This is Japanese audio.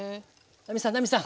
奈実さん奈実さん！